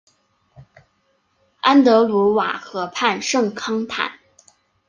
安德鲁瓦河畔圣康坦。